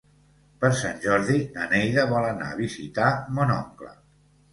Per Sant Jordi na Neida vol anar a visitar mon oncle.